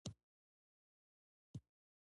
ژوند تر هغه زیات مهم دی.